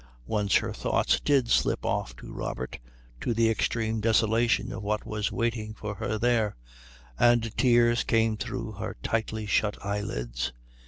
Once her thoughts did slip off to Robert, to the extreme desolation of what was waiting for her there, and tears came through her tightly shut eyelids.